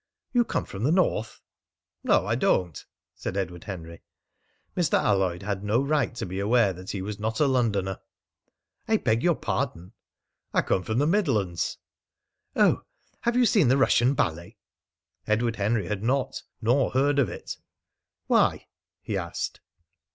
"You come from the North?" "No, I don't," said Edward Henry. Mr. Alloyd had no right to be aware that he was not a Londoner. "I beg your pardon." "I come from the Midlands." "Oh! ... Have you seen the Russian ballet?" Edward Henry had not, nor heard of it. "Why?" he asked.